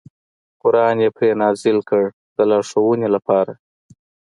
قران یې پرې نازل کړ د لارښوونې لپاره.